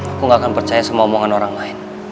aku gak akan percaya sama omongan orang lain